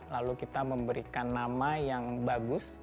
lalu kita memberikan nama yang bagus